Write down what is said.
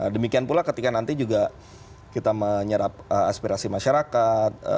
demikian pula ketika nanti juga kita menyerap aspirasi masyarakat